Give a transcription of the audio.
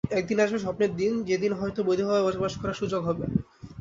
একদিন আসবে স্বপ্নের দিন যেদিন হয়তো বৈধভাবে বসবাস করার সুযোগ হবে।